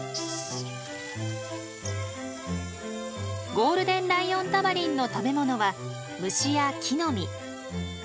ゴールデンライオンタマリンの食べ物は虫や木の実。